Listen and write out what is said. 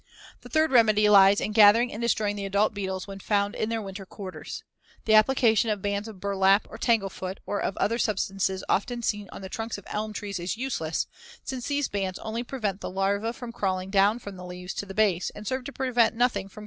The third remedy lies in gathering and destroying the adult beetles when found in their winter quarters. The application of bands of burlap or "tanglefoot," or of other substances often seen on the trunks of elm trees is useless, since these bands only prevent the larvae from crawling down from the leaves to the base and serve to prevent nothing from crawling up.